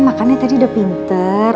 makannya tadi udah pinter